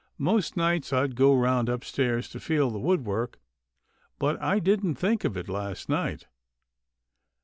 Most nights I go round upstairs to feel the woodwork, but I didn't think of it last night.